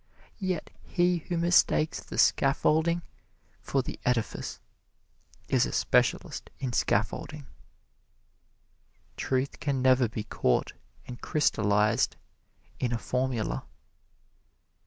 Yet he who mistakes the scaffolding for the edifice is a specialist in scaffolding. Truth can never be caught and crystallized in a formula.